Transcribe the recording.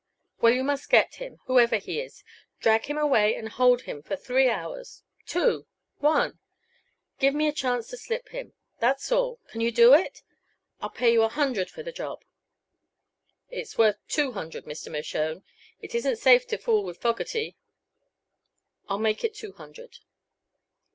"Well, you must get him, whoever he is. Drag him away and hold him for three hours two one. Give me a chance to slip him; that's all. Can you do it? I'll pay you a hundred for the job." "It's worth two hundred, Mr. Mershone. It isn't safe to fool with Fogerty." "I'll make it two hundred."